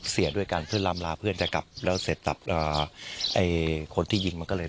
เสียด้วยกันเพื่อนลำลาเพื่อนจะกลับแล้วเสร็จไอ้คนที่ยิงมันก็เลย